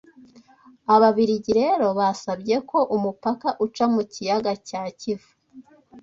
Ababiligi rero basabye ko umupaka uca mu Kiyaga cya Kivu